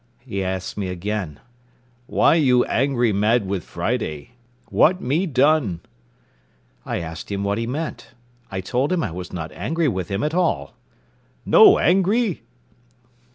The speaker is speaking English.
He asked me again, "Why you angry mad with Friday?—what me done?" I asked him what he meant. I told him I was not angry with him at all. "No angry!"